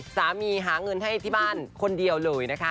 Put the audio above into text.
หาเงินให้ที่บ้านคนเดียวเลยนะคะ